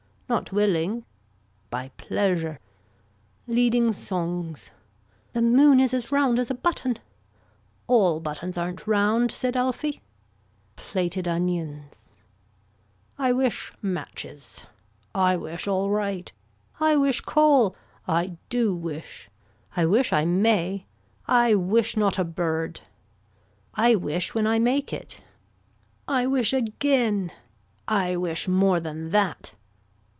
Not willing. By pleasure. Leading songs. The moon is as round as a button. All buttons aren't round said Alfy. Plated onions. I wish matches. I wish all right. I wish coal. I do wish. I wish I may. I wish not a bird. I wish when I make it. I wish again. I wish more than that.